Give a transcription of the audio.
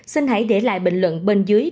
xin hãy để lại bình luận bên dưới